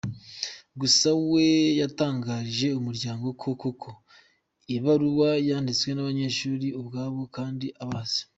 Gusa we yatangarije Umuryango ko koko ibaruwa yanditswe n’abanyeshuli ubwabo kandi abazi.